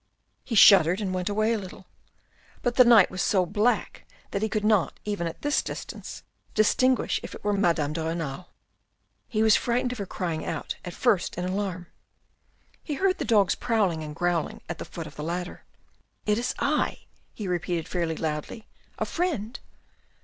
He shuddered and went away a little, but the night was so black that he could not, even at this distance, distinguish if it were Madame de Renal. He was frightened of her crying out at first in alarm. He heard the dogs prowling and growling around the foot of the ladder. " It is I," he repeated fairly loudly. " A friend."